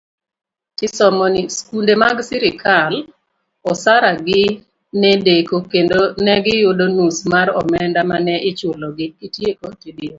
Skunde mag sirikal, osara gi nedeko, kendo negiyudo nus mar omenda mane ichulo gi.